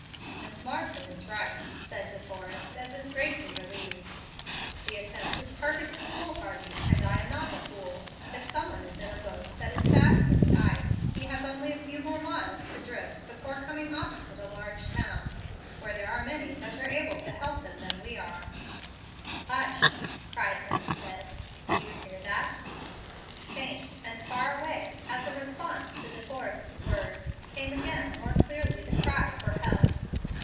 "Miss Marsden is right," said De Forrest, as if greatly relieved. "The attempt is perfectly foolhardy, and I am not a fool. If some one is in a boat that is fast in the ice, he has only a few more miles to drift before coming opposite a large town, where there are many better able to help than we are." "Hush!" cried Hemstead; "do you hear that?" Faint and far away, as a response to De Forrest's words, came again more clearly the cry for help.